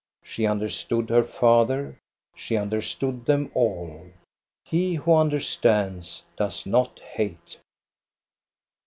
She understood her father; she understood them all. He wh Q>.ixnHf*r4 stands does not hate.